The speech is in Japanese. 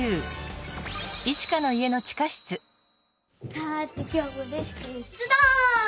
さてきょうもレスキューしゅつどう！